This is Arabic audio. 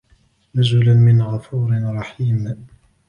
نزلا من غفور رحيم